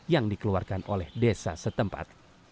yang dikeluarkan oleh desa setempat